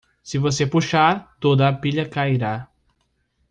Se você puxar, toda a pilha cairá.